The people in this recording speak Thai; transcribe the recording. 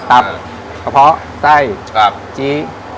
ตับข้าวเพราะไส้จี๊